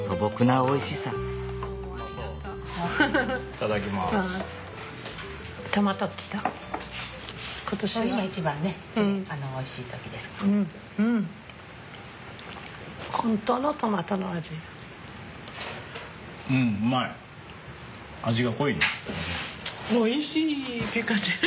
「おいしい！」って感じ。